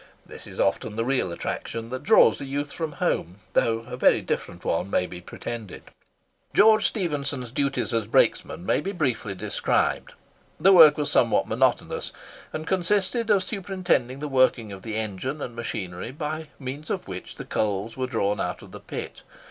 This is often the real attraction that draws the youth from home, though a very different one may be pretended. George Stephenson's duties as brakesman may be briefly described. The work was somewhat monotonous, and consisted in superintending the working of the engine and machinery by means of which the coals were drawn out of the pit.